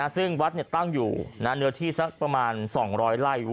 ซึ่งวัดตั้งอยู่เนื้อที่สักประมาณ๒๐๐ไร่